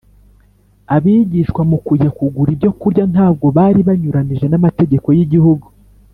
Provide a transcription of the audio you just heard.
. Abigishwa, mu kujya kugura ibyo kurya, ntabwo bari banyuranije n’amategeko y’igihugu